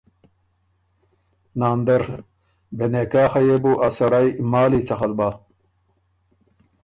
ناندر: بې نکاحه يې بو ا سړئ مالی څخل بَۀ؟